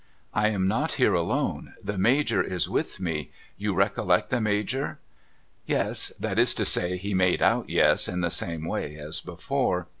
' I am not here alone. The Major is with me. You recollect the Major ?' Yes. That is to say he made out yes, in the same way as before.